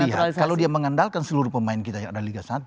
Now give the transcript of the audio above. iya kalau dia mengandalkan seluruh pemain kita yang ada liga satu